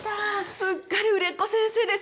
すっかり売れっ子先生ですね。